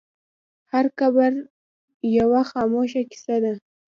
هر قبر یوه خاموشه کیسه ده.